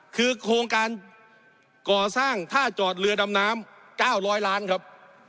คือโครงการก่อสร้างท่าจอดเรือดำน้ำ๙๐๐ล้านครับ